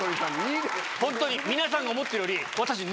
ホントに皆さんが思ってるより私。